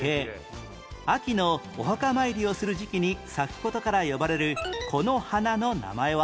秋のお墓参りをする時期に咲く事から呼ばれるこの花の名前は？